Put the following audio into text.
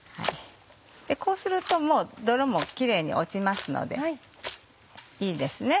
こうするともう泥もキレイに落ちますのでいいです。